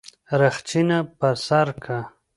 رخچينه پر سر که.